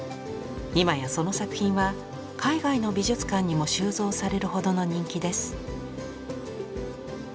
今やその作品は海外の美術館にも収蔵されるほどの人気です。